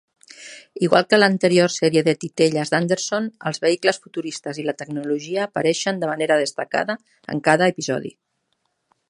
Igual que l'anterior sèrie de titelles d'Anderson, els vehicles futuristes i la tecnologia apareixen de manera destacada en cada episodi.